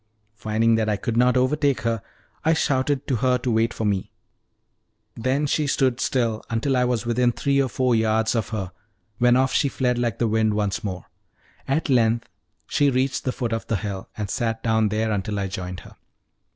Finding that I could not overtake her, I shouted to her to wait for me; then she stood still until I was within three or four yards Of her, when off she fled like the wind once more. At length she reached the foot of the hill, and sat down there until I joined her.